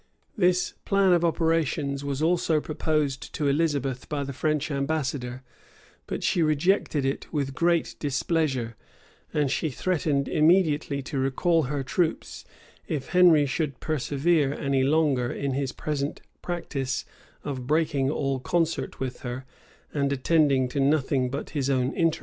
This plan of operations was also proposed to Elizabeth by the French ambassador, but she rejected it with great displeasure; and she threatened immediately to recall her troops, if Henry should persevere any longer in his present practice of breaking all concert with her, and attending to nothing but his own interests.